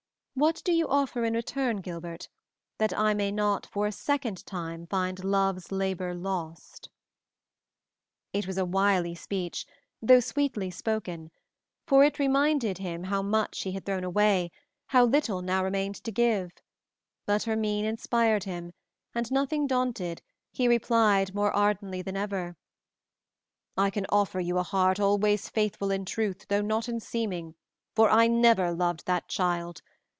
What do you offer in return, Gilbert, that I may not for a second time find love's labor lost?" It was a wily speech, though sweetly spoken, for it reminded him how much he had thrown away, how little now remained to give, but her mien inspired him, and nothing daunted, he replied more ardently than ever: "I can offer you a heart always faithful in truth though not in seeming, for I never loved that child.